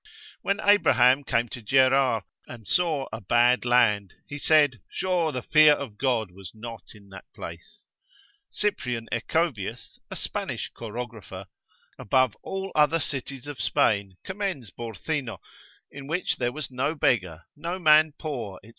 When Abraham came to Gerar, and saw a bad land, he said, sure the fear of God was not in that place. Cyprian Echovius, a Spanish chorographer, above all other cities of Spain, commends Borcino, in which there was no beggar, no man poor, &c.